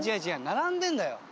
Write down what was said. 並んでんだよ。